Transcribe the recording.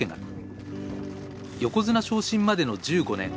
横綱昇進までの１５年